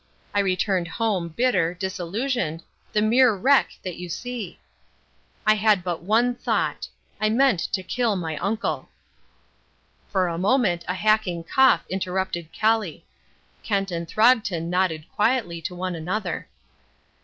I returned home, bitter, disillusioned, the mere wreck that you see. I had but one thought. I meant to kill my uncle." For a moment a hacking cough interrupted Kelly. Kent and Throgton nodded quietly to one another.